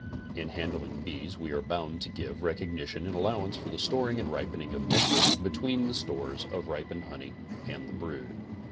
In handling bees we are bound to give recognition and allowance for the storing and ripening of nectar between the stores of ripened honey and the brood.